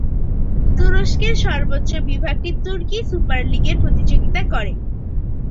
তুরস্কের সর্বোচ্চ বিভাগটি তুর্কি সুপার লীগে প্রতিযোগিতা করে।